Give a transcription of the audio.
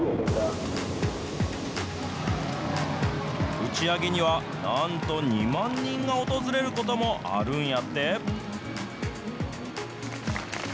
打ち上げには、なんと２万人が訪れることもあるんやって。